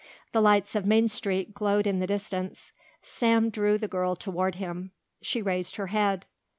The lights of Main Street glowed in the distance. Sam drew the girl toward him. She raised her head.